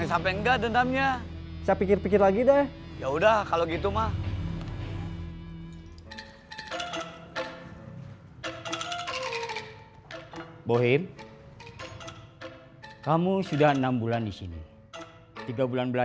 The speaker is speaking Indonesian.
coba kamu kontak dia